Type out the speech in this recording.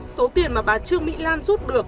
số tiền mà bà trương mỹ lan rút được